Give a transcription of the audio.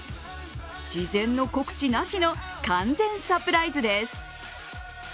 事前の告知なしの完全サプライズです。